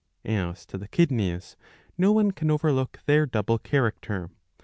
^ As to the kidneys no one can overlook their double character.